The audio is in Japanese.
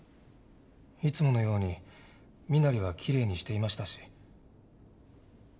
いつものように身なりはきれいにしていましたし。